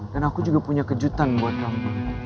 dan aku juga punya kejutan buat kamu